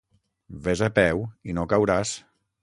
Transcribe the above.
Ves a peu i no cauràs.